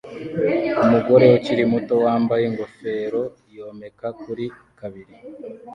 Umugore ukiri muto wambaye ingofero yomeka kuri kabili